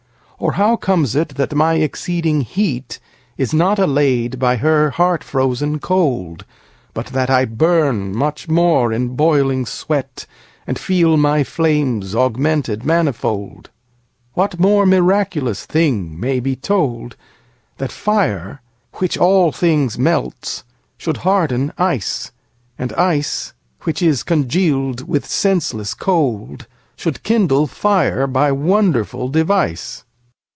Or how comes it that my exceeding heat Is not allayed by her heart frozen cold, But that I burn much more in boiling sweat, And feel my flames augmented manifold? What more miraculous thing may be told, That fire, which all things melts, should harden ice, And ice, which is congeal's with senseless cold, Should kindle fire by wonderful device?